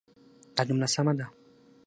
دا جمله سمه ده.